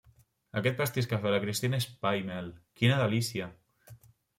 Aquest pastís que ha fet la Cristina és pa i mel. Quina delícia!